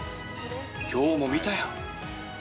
きょうも見たよ。